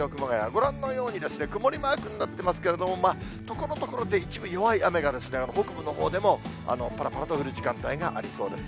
ご覧のように、曇りマークになってますけれども、まあ、ところどころで一部弱い雨が、北部のほうでもぱらぱらと降る時間帯がありそうです。